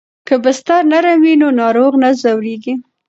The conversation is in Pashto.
که بستر نرم وي نو ناروغ نه ځورېږي.